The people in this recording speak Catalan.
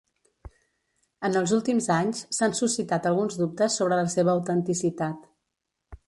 En els últims anys, s'han suscitat alguns dubtes sobre la seva autenticitat.